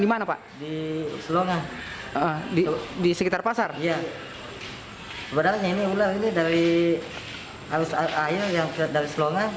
dimana pak di selonga di sekitar pasar ya berarti ini udah ini dari arus air yang terdiri selonga